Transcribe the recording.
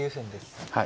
はい。